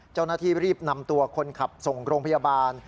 เจ้าหน้าที่รีบนำตัวคนขับส่งโรงพยาบาล